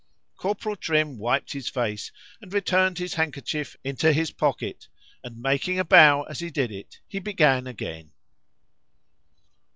Corporal Trim wiped his face, and returned his handkerchief into his pocket, and, making a bow as he did it,—he began again.